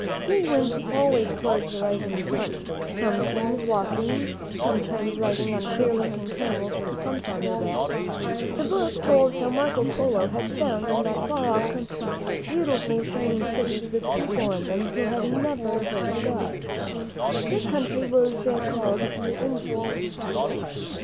He went always towards the rising sun, sometimes walking, sometimes riding on queer looking camels with humps on their backs. The book told how Marco Polo had found in that far off country beautiful, shin ing cities, with people in them who had never heard of God. This country was called the Indies.